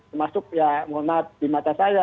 termasuk ya mohon maaf di mata saya